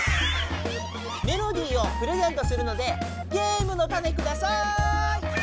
メロディーをプレゼントするのでゲームのたねください。は？